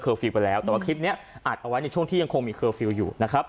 ยกเลิกเคอร์ฟิลไปแล้วแต่ว่าคลิปนี้อัดเอาไว้ในช่วงที่ยังมีเคอร์ฟิลอยู่